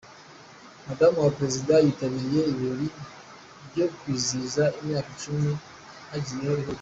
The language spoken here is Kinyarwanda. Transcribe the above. Madamu wa perezida yitabiriye ibirori byo kwizihiza imyaka icumi hagiyeho ihuriro